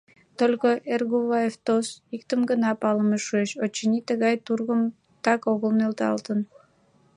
Только, Эргуваев тос, иктым гына палыме шуэш: очыни, тыгай тургым так огыл нӧлталтын.